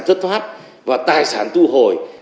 tất phát và tài sản thu hồi